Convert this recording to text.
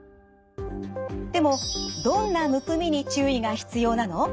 でもどんなむくみに注意が必要なの？